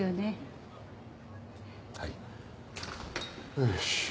よし。